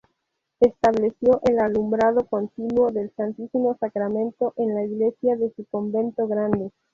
Estableció el alumbrado continuo del Santísimo Sacramento en la iglesia de su convento grande.